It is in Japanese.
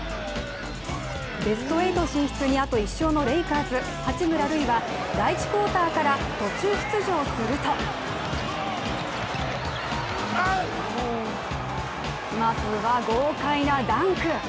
ベスト８進出にあと１勝のレイカーズ、八村塁は第１クオーターから途中出場するとまずは豪快なダンク！